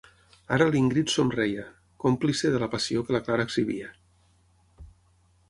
Ara l'Ingrid somreia, còmplice de la passió que la Clara exhibia.